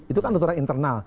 itu kan aturan internal